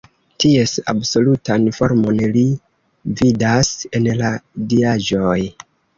Ties absolutan formon li vidas en la diaĵoj.